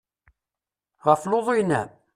Ɣef lutu-inem?